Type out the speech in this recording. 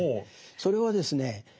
それはですね